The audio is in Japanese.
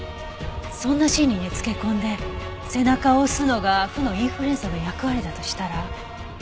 そんな心理に付け込んで背中を押すのが負のインフルエンサーの役割だとしたら。